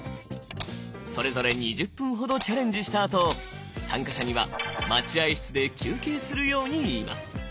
それぞれ２０分ほどチャレンジしたあと参加者には待合室で休憩するように言います。